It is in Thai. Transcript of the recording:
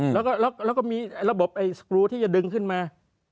แล้วก็มีระบบสกรูที่จะดึงขึ้นมา